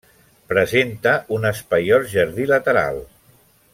Presenta un espaiós jardí lateral.